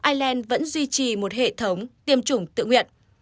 ireland vẫn duy trì một hệ thống tiêm chủng tự nguyện